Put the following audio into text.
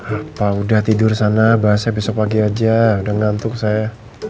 apa udah tidur sana bahasa besok pagi aja udah ngantuk saya